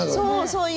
そう。